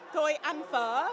tôi ăn phở